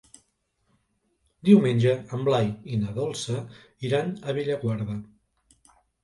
Diumenge en Blai i na Dolça iran a Bellaguarda.